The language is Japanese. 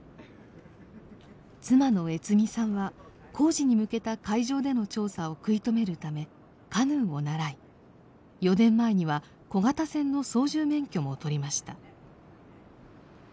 妻の悦美さんは工事に向けた海上での調査を食い止めるためカヌーを習い４年前には小型船の操縦免許も取りました。